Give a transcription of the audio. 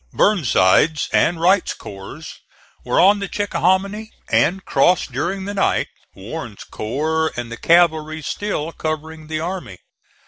Burnside's and Wright's corps were on the Chickahominy, and crossed during the night, Warren's corps and the cavalry still covering the army.